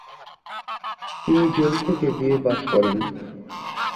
তিনি জেল থেকে B A pass করেন।